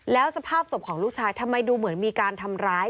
แล้วสภาพศพของลูกชายทำไมดูเหมือนมีการทำร้าย